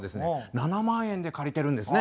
７万円で借りてるんですね。